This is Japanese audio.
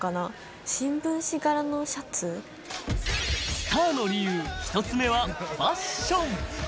スターの理由、１つ目はファッション。